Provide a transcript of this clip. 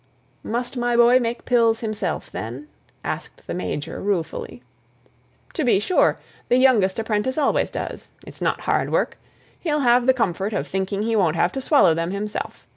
"Must my boy make pills himself, then?" asked the major, ruefully. "To be sure. The youngest apprentice always does. It's not hard work. He'll have the comfort of thinking he won't have to swallow them himself.